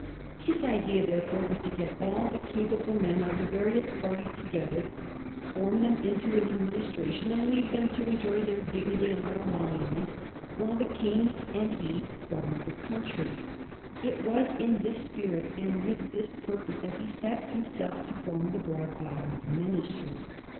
His idea, therefore, was to get all the capable men of the various parties together, form them 246 A HISTORY OF TflE FOUR GEORGES. CH.xxxTn. into an administration, and leave them to enjoy their dignity and their emoluments while the King and he gov erned the country. It was in this spirit and with this purpose that he set himself to form the " Broad bottomed Ministry."